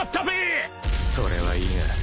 ［それはいいが］